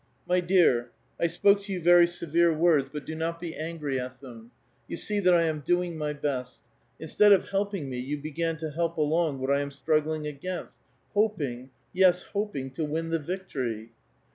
" My dear,^ I spoke to you very severe words, but do not be angry at them. You see that I am doing my best ; instead of helping me, you began to help along what I am strug gling against, hoping, — 3'es, hoping — to win the victory."